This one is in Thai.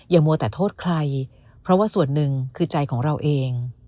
มัวแต่โทษใครเพราะว่าส่วนหนึ่งคือใจของเราเอง